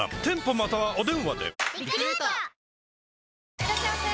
いらっしゃいませ！